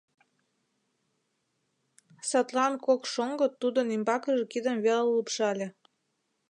Садлан кок шоҥго тудын ӱмбакыже кидым веле лупшале.